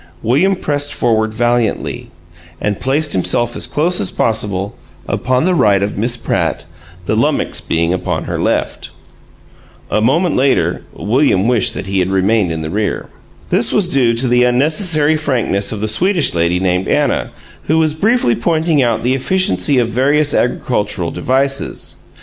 William pressed forward valiantly, and placed himself as close as possible upon the right of Miss Pratt, the lummox being upon her left. A moment later, William wished that he had remained in the rear. This was due to the unnecessary frankness of the Swedish lady named Anna, who was briefly pointing out the efficiency of various agricultural devices.